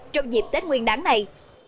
trong dịp tết nguyên đáng này